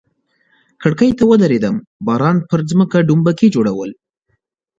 کړکۍ ته ودریدم، باران پر مځکه ډومبکي جوړول.